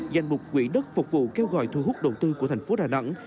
danh mục quỹ đất phục vụ kêu gọi thu hút đầu tư của thành phố đà nẵng